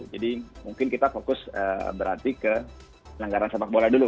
jadi mungkin kita fokus berarti ke penyelenggaraan sepak bola dulu